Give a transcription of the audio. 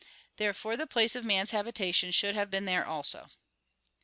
Therefore the place of man's habitation should have been there also.